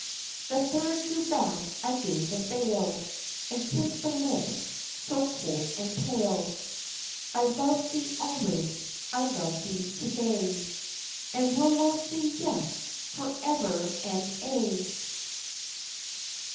The third drew back again the veil, And kissed the lips so cold and pale. "I've loved thee always, I love thee to day, And will love thee, yes, forever and aye!"